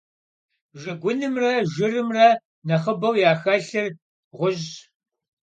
Şşıgunımre jjırımre nexhıbeu yaxelhır ğuş'ş.